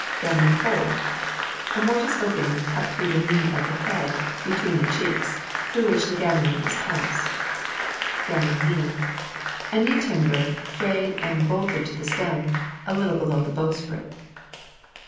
GAMMONING HOLE. A mortise opening cut through the knee of the head, between the cheeks, through which the gammoning is passed. GAMMON KNEE. A knee timber fayed and bolted to the stem, a little below the bowsprit.